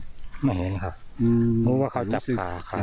ไม่เห็นมองว่าเขาจับขา